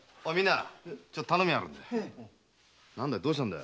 どうしたんだ？